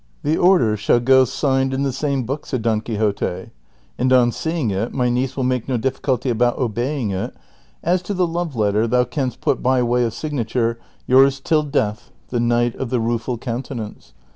" The order shall go signed in the same book," said Don Quixote, " and on seeing it my niece will make no difficulty about obeying it ; as to the love letter thou canst put by way of signatvire, ^ Yours till death, tlie Knujlit nf the Rueful C<mn tenance.''